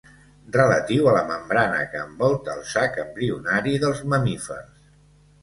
Relatiu a la membrana que envolta el sac embrionari dels mamífers.